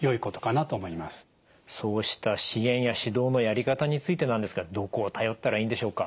そうした支援や指導のやり方についてなんですがどこを頼ったらいいんでしょうか？